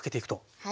はい。